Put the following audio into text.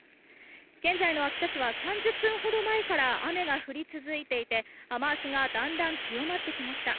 現在の秋田市は３０分ほど前から雨が降り続いていて雨脚がだんだん強まってきました。